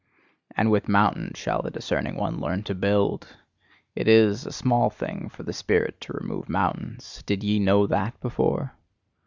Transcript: And with mountains shall the discerning one learn to BUILD! It is a small thing for the spirit to remove mountains, did ye know that before?